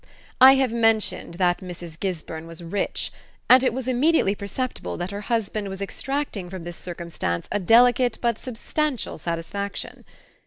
I have mentioned that Mrs. Gisburn was rich; and it was immediately perceptible that her husband was extracting from this circumstance a delicate but substantial satisfaction.